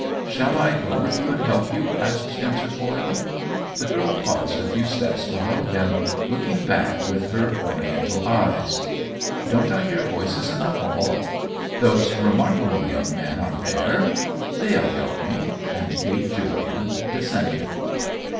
" Shall I go with you and help you ?" asked Spencer Coyle. The girl paused a few step below him, looking back with her Oriental eyes. 212 OWEN WINGRAVE " Don't I hear voices in the hall ?" "Those remarkable young men are there." " They II help me." And Kate Julian de scended.